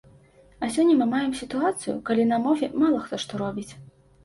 А сёння мы маем сітуацыю, калі на мове мала хто што робіць.